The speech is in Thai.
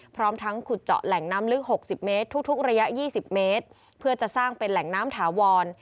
พร้อมทั้งขุดเจาะแหล่งน้ำลึก๖๐เมตรทุกระยะ๒๐เมตรเพื่อจะสร้างเป็นแหล่งน้ำถาวร